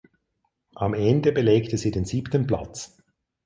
Am Ende belegte sie den siebten Platz.